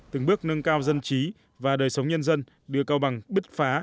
từng bước nâng cao dân trí và đời sống nhân dân đưa cao bằng bứt phá